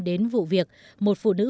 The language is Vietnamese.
đến vụ việc một phụ nữ